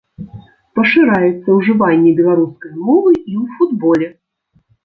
Пашыраецца ўжыванне беларускай мовы і ў футболе.